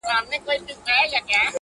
لکه ملنگ چي د پاچا د کلا ور ووهي-